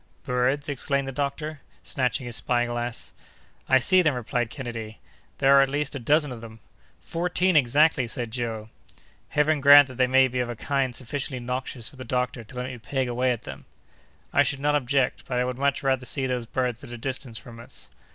"Birds?" exclaimed the doctor, snatching his spyglass. "I see them," replied Kennedy; "there are at least a dozen of them." "Fourteen, exactly!" said Joe. "Heaven grant that they may be of a kind sufficiently noxious for the doctor to let me peg away at them!" "I should not object, but I would much rather see those birds at a distance from us!"